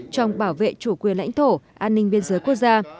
trong bảo vệ chủ quyền lãnh thổ an ninh biên giới quốc gia